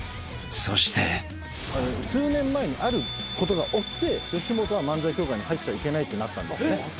［そして］数年前にあることが起きて吉本は漫才協会に入っちゃいけないってなったんです。